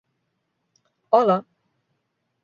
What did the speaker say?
Hola.